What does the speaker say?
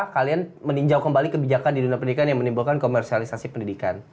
kalian meninjau kembali kebijakan di dunia pendidikan yang menimbulkan komersialisasi pendidikan